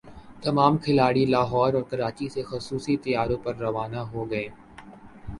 تمام کھلاڑی لاہور اور کراچی سے خصوصی طیاروں پر روانہ ہوں گے